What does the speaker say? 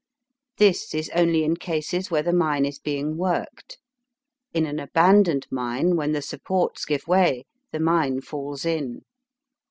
This is only in cases where the mine is being worked. In an abandoned mine when the supports give way the mine falls in.